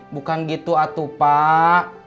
bukan gitu atuh pak